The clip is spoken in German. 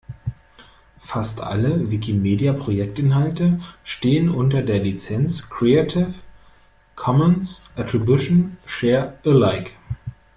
Fast alle Wikimedia-Projektinhalte stehen unter der Lizenz "Creative Commons Attribution Share Alike".